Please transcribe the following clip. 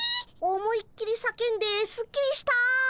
思いっきりさけんですっきりした。